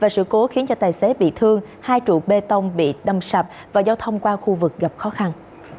sự cố khiến cho tài xế bị thương hai trụ bê tông bị đâm sập và giao thông qua khu vực gặp khó khăn